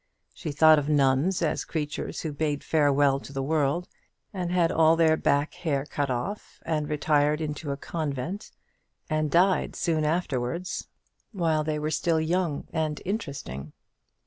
She thought of nuns as creatures who bade farewell to the world, and had all their back hair cut off, and retired into a convent, and died soon afterwards, while they were still young and interesting.